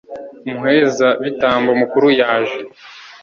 umuherezabitambo mukuru yaje